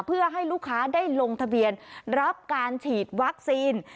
เพื่อให้ลูกค้าได้ลงทะเบียนรับการฉีดวัคซีน